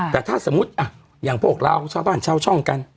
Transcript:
แต่ถ้าสมมุติอย่างพวกเราชาวบ้านชาวช่องกัน